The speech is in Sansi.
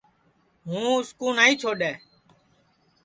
ہُوں اُس کُو نائی چھوڈؔے